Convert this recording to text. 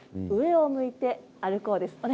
「上を向いて歩こう」です。